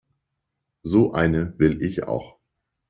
So eine will ich auch.